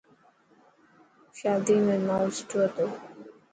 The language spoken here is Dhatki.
شادي ۾ ماحول سٺو هو.